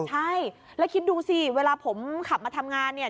ใช่แล้วคิดดูสิเวลาผมขับมาทำงานเนี่ย